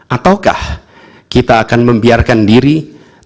ataukah kita akan membiarkan diri